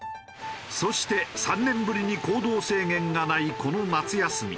そして３年ぶりに行動制限がないこの夏休み。